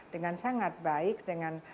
dengan sangat baik dengan